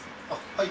はい。